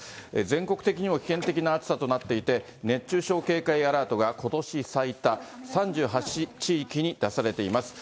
全国的にも危険的な暑さとなっていて、熱中症警戒アラートがことし最多、３８地域に出されています。